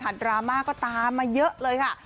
ดราม่าก็ตามมาเยอะเลยค่ะ